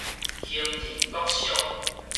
興仁國小